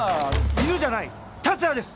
犬じゃない達也です！